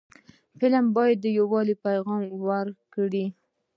فلم باید د یووالي پیغام ورکړي